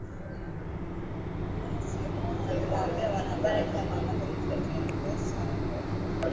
Billene Seyoum amewaambia wanahabari kwamba matamshi ya Tedros hayafai